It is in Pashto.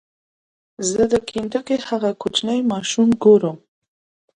زه د کینټکي هغه کوچنی ماشوم ګورم.